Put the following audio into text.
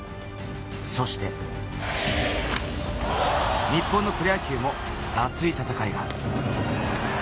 そして日本のプロ野球も熱い戦いが。